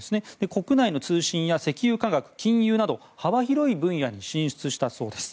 国内の通信や石油化学、金融など幅広い分野に進出したそうです。